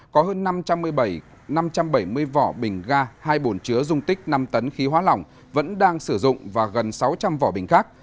có hơn năm trăm năm trăm bảy mươi vỏ bình ga hai bồn chứa dung tích năm tấn khí hóa lỏng vẫn đang sử dụng và gần sáu trăm linh vỏ bình khác